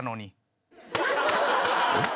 えっ？